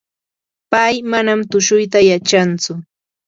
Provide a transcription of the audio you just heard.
pay manam tushuyta yachantsu.